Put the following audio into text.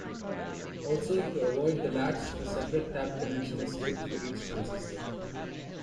Also to avoid the latch, a separate tap connection is put for each transistor.